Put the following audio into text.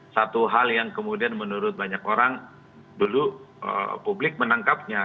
satu hal yang kemudian menurut banyak orang dulu publik menangkapnya